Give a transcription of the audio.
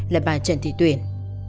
là bà trần thị tuyển